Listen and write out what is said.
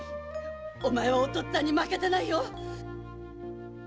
お前はお父っつぁんに負けてないよ！